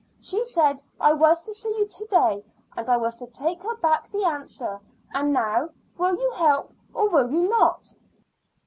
She said I was to see you to day, and I was to take her back the answer. And now, will you help or will you not?"